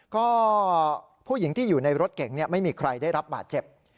ก็ผู้หญิงที่อยู่ในรถเก่งไม่มีใครได้รับบาดเจ็บ